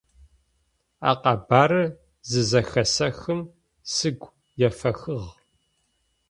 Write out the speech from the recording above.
А къэбарыр зызэхэсэхым сыгу ефэхыгъ.